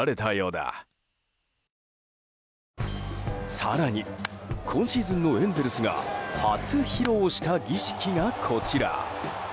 更に今シーズンのエンゼルスが初披露した儀式が、こちら。